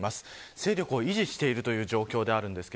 勢力を維持している状況です。